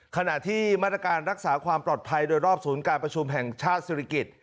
ขณะที่มาตรการรักษาความปลอดภัยโดยรอบศูนย์การประชุมแห่งชาติศิริกิจ